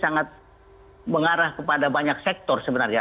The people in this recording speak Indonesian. sangat mengarah kepada banyak sektor sebenarnya